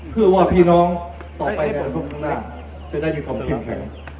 เพื่อว่าพี่น้องต่อไปวันพุกข้างหน้าจะได้มีความเข้มแข็ง